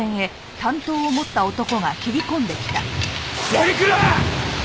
鑓鞍！